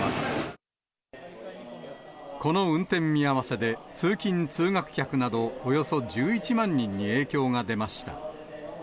この運転見合わせで、通勤・通学客などおよそ１１万人に影響が出ました。